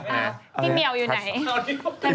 พี่เหมียวอยู่ไหน